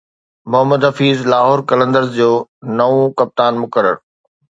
محمد حفيظ لاهور قلندرز جو نئون ڪپتان مقرر